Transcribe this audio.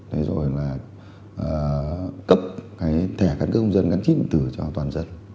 thế rồi là cấp cái thẻ căn cước công dân gắn chích viện tử cho toàn dân